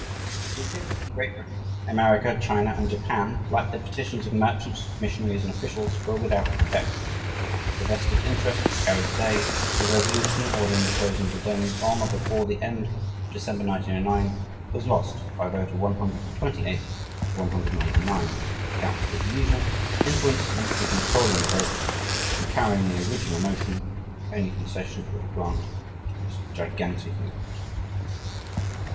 The appeals from Great Britain, America, China, and Japan, like the petitions of merchants, missionaries, and officials, were without effect. The "vested interests" carried the day, and a resolution, ordering the closing of the dens on or before the end of December, 1909, was lost by a vote of 128 to 189, the council, as usual, influencing and controlling the votes and carrying the original motion the only concession it would grant to this gigantic movement.